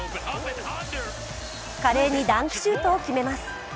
華麗にダンクシュートを決めます。